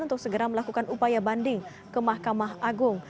untuk segera melakukan upaya banding ke mahkamah agung